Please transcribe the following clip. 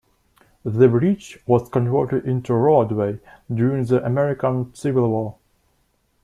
The bridge was converted into a roadway during the American Civil War.